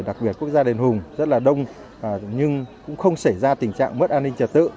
đặc biệt quốc gia đền hùng rất là đông nhưng cũng không xảy ra tình trạng mất an ninh trật tự